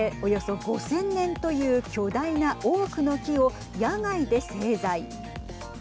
およそ５０００年という巨大なオークの木を野外で製材。